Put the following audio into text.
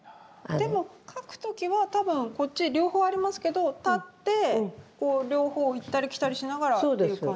でも描く時は多分こっち両方ありますけど立ってこう両方を行ったりきたりしながらっていう感じですか？